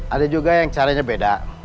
ada juga yang caranya beda